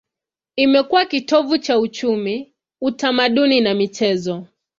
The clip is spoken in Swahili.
Imekuwa kitovu cha uchumi, utamaduni na michezo.